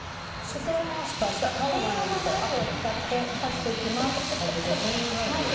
こちらの専用のナイフを使って刺していきます。